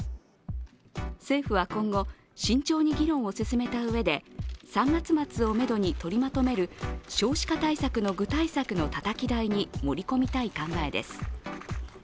政府は今後、慎重に議論を進めたうえで３月末をめどに取りまとめる少子化対策の具体策のたたき台に盛り込みたい考えです。